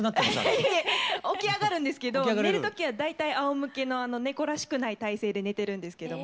いえいえ起き上がるんですけど寝る時は大体あおむけの猫らしくない体勢で寝てるんですけども。